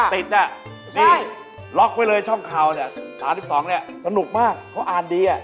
ติดแล้วดูนี่ล็อกไว้เลยช่องข่าวนี่ตอนที่๒นี่สนุกมากเขาอ่านดี